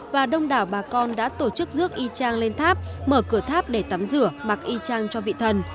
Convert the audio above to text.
và đông đảo bà con đã tổ chức rước y trang lên tháp mở cửa tháp để tắm rửa mặc y trang cho vị thần